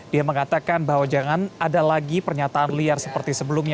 dia mengatakan bahwa jangan ada lagi pernyataan liar seperti sebelumnya